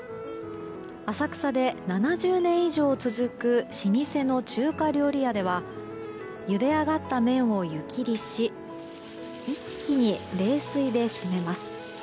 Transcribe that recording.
浅草で７０年以上続く老舗の中華料理屋ではゆであがった麺を湯切りし一気に冷水で締めます。